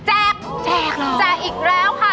แจกเลยแจกอีกแล้วค่ะ